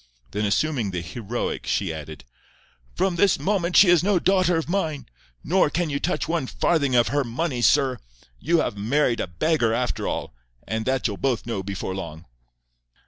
Then assuming the heroic, she added, "From this moment she is no daughter of mine. Nor can you touch one farthing of her money, sir. You have married a beggar after all, and that you'll both know before long."